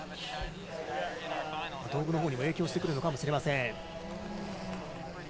道具のほうにも影響してくるのかもしれません。